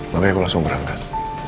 makanya aku langsung berangkat